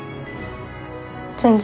全然。